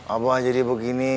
abah jadi begini